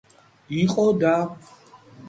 იყო და